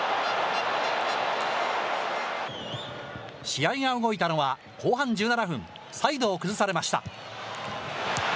試合が動いたのは後半１７分、サイドを崩されました。